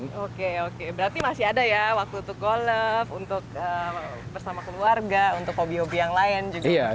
oke oke berarti masih ada ya waktu untuk golf untuk bersama keluarga untuk hobi hobi yang lain juga